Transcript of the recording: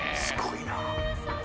すごいな！